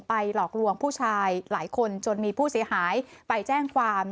หลอกลวงผู้ชายหลายคนจนมีผู้เสียหายไปแจ้งความ